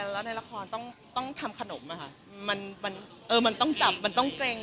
แล้วในละครต้องต้องทำขนมอ่ะค่ะมันมันเออมันต้องจับมันต้องเกร็ง